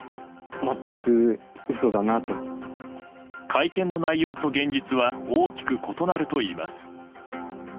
会見の内容と現実は大きく異なるといいます。